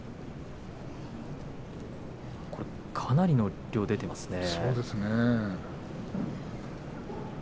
かなりの量、落ちていますね。